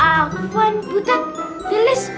aku buat butet dan lies